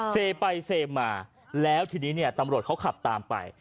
เซไปเซมาแล้วทีนี้เนี่ยตำรวจเขาขับตามไป